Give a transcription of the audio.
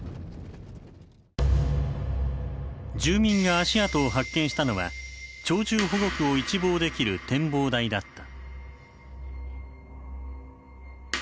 住民が足跡を発見したのは鳥獣保護区を一望できる展望台だった。